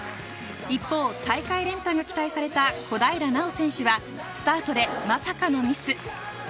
一方、大会連覇が期待された小平奈緒選手は、スタートでまさかのミス。